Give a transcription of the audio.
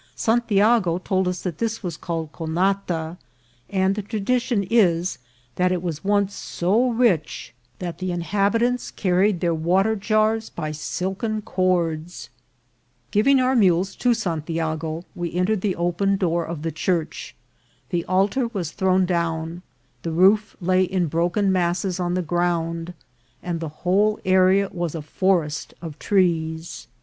San tiago told us that this was called Conata, and the tradi tion is, that it was once so rich that the inhabitants car 246 INCIDENTS OF TRAVEL. ried their water jars by silken cords. Giving our mules to Santiago, we entered the open door of the church. The altar was thrown down, the roof lay in broken masses on the ground, and the whole ar§a was a forest of trees.